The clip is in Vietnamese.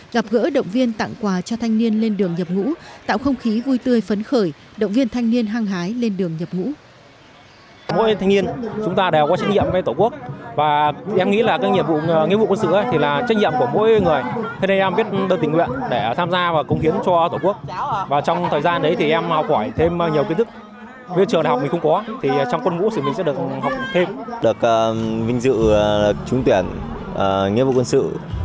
gặp gỡ động viên tặng quà cho thanh niên lên đường nhập ngũ tạo không khí vui tươi phấn khởi động viên thanh niên hăng hái lên đường nhập ngũ